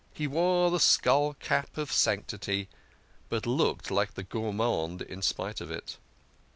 He wore the skull cap of sanctity, but looked the gourmand in spite of it.